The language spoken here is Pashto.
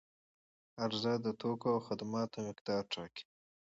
عرضه د توکو او خدماتو مقدار ټاکي.